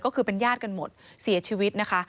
ก็คือเป็นญาติกันหมดเสียชีวิตนะคะ